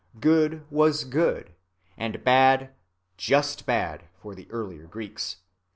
Good was good, and bad just bad, for the earlier Greeks.